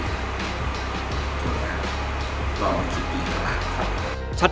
ตัวนั้นลองมาคิดดีกว่าล่ะครับ